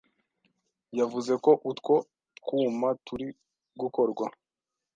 yavuze ko utwo twuma turi gukorwa